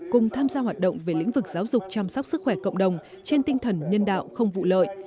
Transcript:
cùng tham gia hoạt động về lĩnh vực giáo dục chăm sóc sức khỏe cộng đồng trên tinh thần nhân đạo không vụ lợi